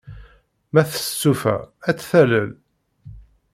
Ma testufa, ad t-talel.